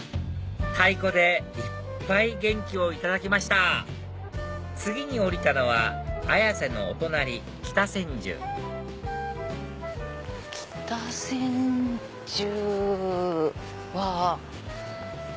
太鼓でいっぱい元気を頂きました次に降りたのは綾瀬のお隣北千住北千住は。